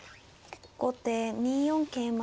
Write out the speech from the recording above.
後手２四桂馬。